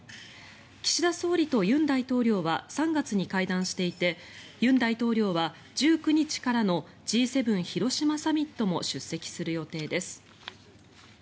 岸田総理と尹大統領は３月に会談していて尹大統領は１９日からのＧ７広島サミットも出席する予定です。